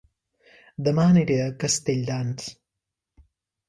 Dema aniré a Castelldans